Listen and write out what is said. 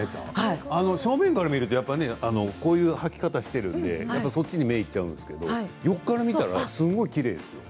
正面から見るとこういうはき方をしているのでそっちに目がいっちゃうんですけど横から見たら、すごいきれいですよ。